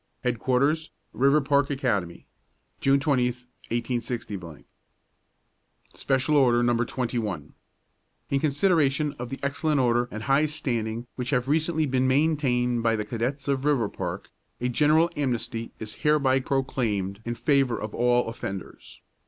HEADQUARTERS, RIVERPARK ACADEMY. June 20, 186 . SPECIAL ORDER, NO. 21. In consideration of the excellent order and high standing which have recently been maintained by the cadets of Riverpark, a general amnesty is hereby proclaimed in favor of all offenders.